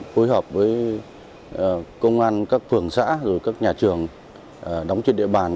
phối hợp với công an các phường xã các nhà trường đóng trên địa bàn